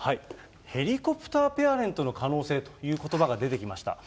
ヘリコプターペアレントの可能性ということばが出てきました。